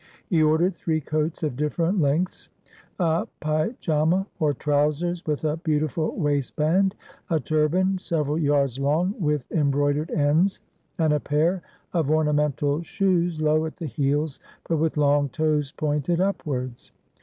He ordered three coats of different lengths, a paejama or trousers with a beautiful waistband, a turban several yards long with embroidered ends, and a pair of ornamental shoes low at the heels but with long toes pointed upwards.